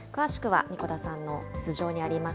詳しくは神子田さんの頭上にあります